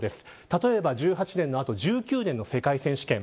例えば１８年の後１９年の世界選手権。